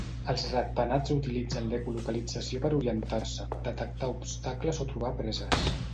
Els ratpenats utilitzen l'ecolocalització per orientar-se, detectar obstacles o trobar preses.